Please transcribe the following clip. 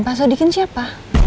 pak sodikin siapa